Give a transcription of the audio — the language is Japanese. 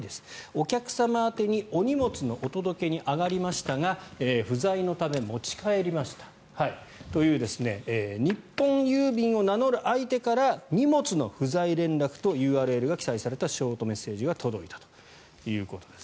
お客様宛にお荷物のお届けに上がりましたが不在のため持ち帰りましたという日本郵便を名乗る相手から荷物の不在連絡とＵＲＬが記載されたショートメッセージが届いたということです。